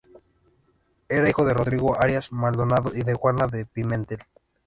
Era hijo de Rodrigo Arias Maldonado y de Juana de Pimentel.